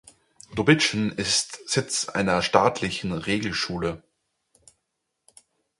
Dobitschen ist Sitz einer Staatlichen Regelschule.